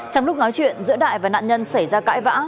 trong lúc nói chuyện giữa đại và nạn nhân xảy ra cãi vã